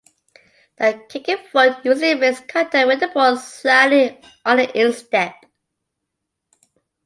The kicking foot usually makes contact with the ball slightly on the instep.